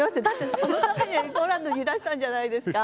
そのためにポーランドにいらしたんじゃないですか。